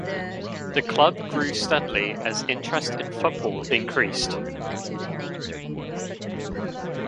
The club grew steadily as interest in football increased.